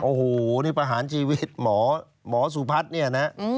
โอ้โหนี่ประหารชีวิตหมอสุพัฒน์เนี่ยนะ